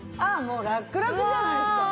もうラクラクじゃないですか。